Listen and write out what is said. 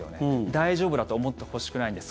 大丈夫だと思ってほしくないんです。